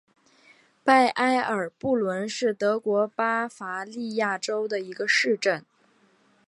拜埃尔布伦是德国巴伐利亚州的一个市镇。